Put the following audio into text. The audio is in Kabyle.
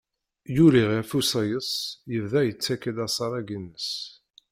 Yuli ɣef usayes, yebda yettakk-d asarag-ines.